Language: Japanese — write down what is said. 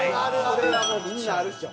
これはもうみんなあるでしょ。